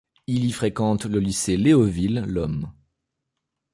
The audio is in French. Il y fréquente le lycée Léoville l’homme.